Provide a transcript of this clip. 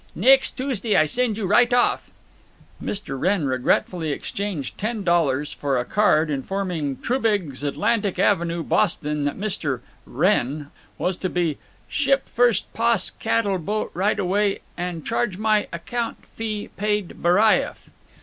"Next Tuesday I send you right off." Mr. Wrenn regretfully exchanged ten dollars for a card informing Trubiggs, Atlantic Avenue, Boston, that Mr. "Ren" was to be "ship 1st poss. catel boat right away and charge my acct. fee paid Baraieff."